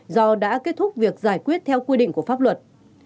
do đã kết thúc việc giải quyết theo quy định của pháp luật